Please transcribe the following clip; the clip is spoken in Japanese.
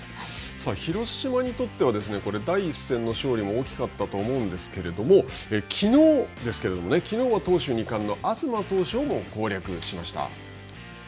さあ、広島にとっては第１戦の勝利も大きかったと思うんですけれども、きのうですけれども、きのうは投手二冠の東投手を攻略しました。